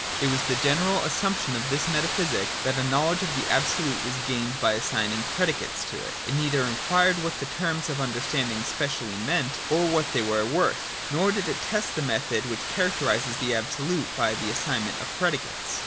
It was the general assumption of this metaphysic that a knowledge of the Absolute was gained by assigning predicates to it. It neither inquired what the terms of the understanding specially meant or what they were worth, nor did it test the method which characterises the Absolute by the assignment of predicates.